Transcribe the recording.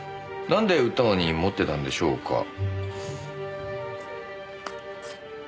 なんで売ったのに持ってたんでしょうか？